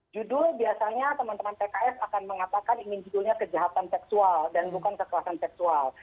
judul biasanya teman teman pks akan mengatakan ingin judulnya kejahatan seksual dan bukan kekerasan seksual